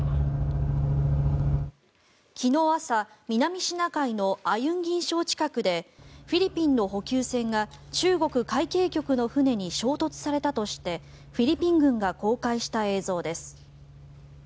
昨日朝南シナ海のアユンギン礁近くでフィリピンの補給船が中国海警局の船に衝突されたとしてフィリピン軍が公開した映像です。